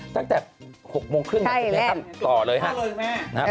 ตั้งแต่๖โมงครึ่งต่อเลยครับ